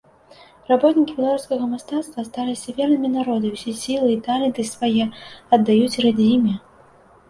Работнікі беларускага мастацтва асталіся вернымі народу і ўсе сілы і таленты свае аддаюць радзіме.